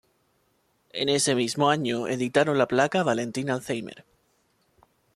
En ese mismo año, editaron la placa "Valentín Alzheimer".